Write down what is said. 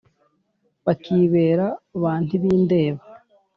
bakibera ba ntibindeba.